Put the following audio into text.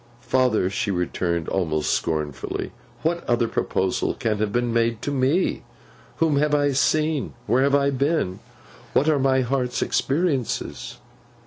'Father,' she returned, almost scornfully, 'what other proposal can have been made to me? Whom have I seen? Where have I been? What are my heart's experiences?